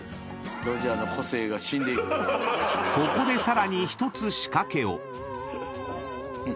［ここでさらに１つ仕掛けを］